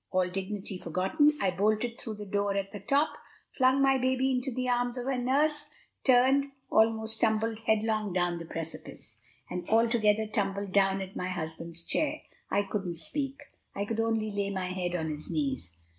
All dignity forgotten, I bolted through the door at the top, flung my baby into the arms of her nurse, turned, almost tumbled headlong down the precipice, and altogether tumbled down at my husband's chair. I couldn't speak; I could only lay my head on his knees.